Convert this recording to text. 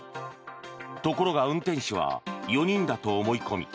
ところが運転手は４人だと思い込み